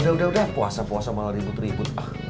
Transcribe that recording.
ya udah udah puasa puasa malah ribut ribut